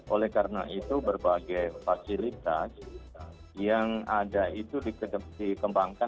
oleh karena itu berbagai fasilitas yang ada itu dikembangkan